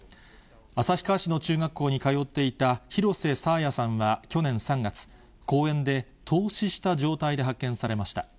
旭川市の中学校に通っていた廣瀬爽彩さんは去年３月、公園で凍死した状態で発見されました。